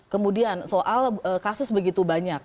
kemudian soal kasus begitu banyak